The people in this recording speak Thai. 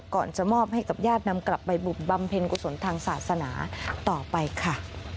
ก่อนจะมอบให้กับญาตินำกลับไปบำเพ็ญกุศลทางศาสนาต่อไปค่ะ